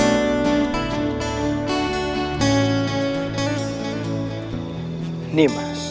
ambilah bunga ini